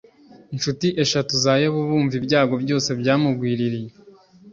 incuti eshatu za yobu bumva ibyago byose byamugwiririye .